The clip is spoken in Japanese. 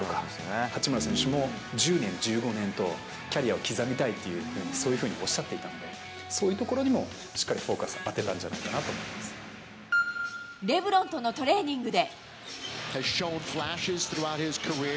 八村選手も、１０年、１５年と、キャリアを刻みたいとそういうふうにおっしゃっていたので、そういうところにもしっかりフォーカス当てたんじゃないかなと思レブロンとのトレーニングで。